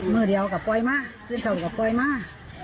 งึดเดียวกับปล่อยมาเก็บโสดกับปล่อยมา